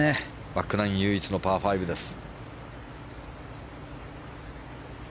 バックナイン唯一のパー５です。